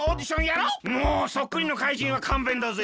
もうそっくりの怪人はかんべんだぜ。